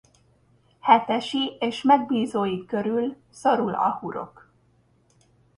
Hetesi és megbízói körül szorul a hurok.